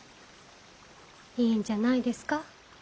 いいんじゃないですか。